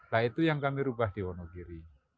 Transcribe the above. nah itu yang kami ubah di wonogiri